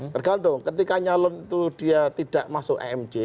tergantung ketika nyalon itu dia tidak masuk emj